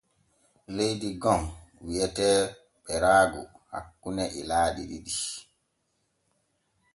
Leydi gom wi’etee Beraagu hakkune ilaaɗi ɗiɗi.